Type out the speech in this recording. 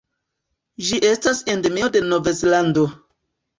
Ĝi estas endemio de Novzelando.